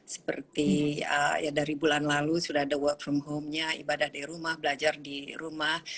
seperti ya dari bulan lalu sudah ada work from home nya ibadah di rumah belajar di rumah